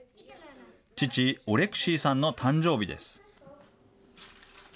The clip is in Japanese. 父、オレクシイさんの誕生日です。